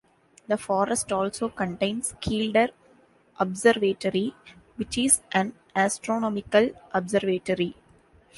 The forest also contains Kielder Observatory which is an astronomical observatory.